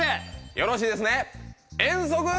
よろしいですね遠足。